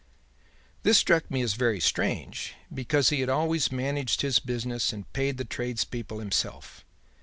"'This struck me as very strange, because he had always managed his business and paid the tradespeople himself.